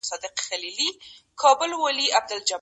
هغه نوري ورځي نه در حسابیږي